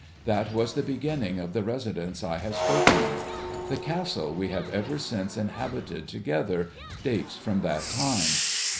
That was the beginning of the residence I have spoken of; the Castle we have ever since inhabited together, dates from that time.